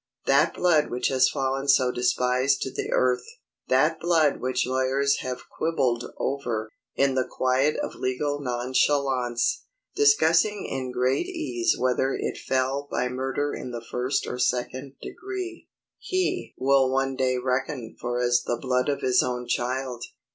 That blood which has fallen so despised to the earth,—that blood which lawyers have quibbled over, in the quiet of legal nonchalance, discussing in great ease whether it fell by murder in the first or second degree,—HE will one day reckon for as the blood of his own child.